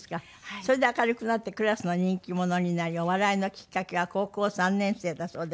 それで明るくなってクラスの人気者になりお笑いのきっかけは高校３年生だそうでございます。